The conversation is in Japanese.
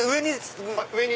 上に？